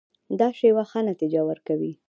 دا شیوه ښه نتیجه ورکوي.